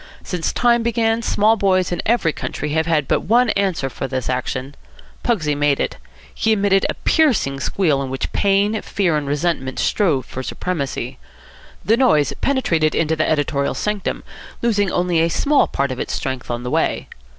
Since time began, small boys in every country have had but one answer for this action. Pugsy made it. He emitted a piercing squeal in which pain, fear, and resentment strove for supremacy. The noise penetrated into the editorial sanctum, losing only a small part of its strength on the way.